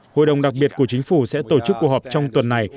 hội đồng đặc biệt của chính phủ sẽ tổ chức cuộc họp trong tuần này